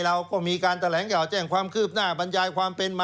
เราก็มีการแถลงข่าวแจ้งความคืบหน้าบรรยายความเป็นมา